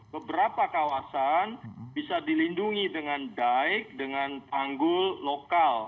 beberapa kawasan bisa dilindungi dengan baik dengan tanggul lokal